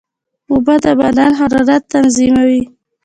اوبه د بدن حرارت تنظیموي.